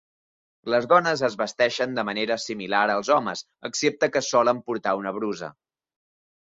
Les dones es vesteixen de manera similar als homes, excepte que solen portar una brusa.